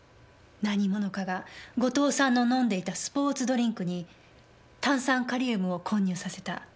何者かが後藤さんの飲んでいたスポーツドリンクに炭酸カリウムを混入させた。